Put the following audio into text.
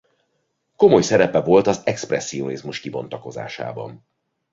Komoly szerepe volt az expresszionizmus kibontakozásában.